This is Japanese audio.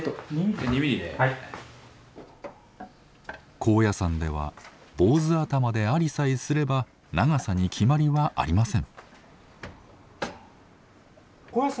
高野山では坊主頭でありさえすれば長さに決まりはありません。